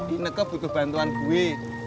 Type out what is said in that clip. ini kebutuh bantuan gue